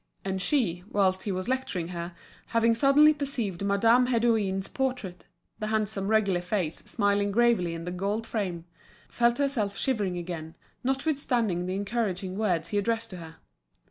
And she, whilst he was lecturing her, having suddenly perceived Madame Hédouin's portrait—the handsome regular face smiling gravely in the gold frame—felt herself shivering again, notwithstanding the encouraging words he addressed to her.